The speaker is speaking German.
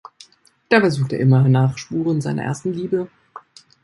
Derweil sucht er immer nach Spuren seiner ersten Liebe.